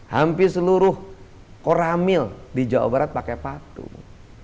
hampir seluruh koramil di jawa barat pakai patung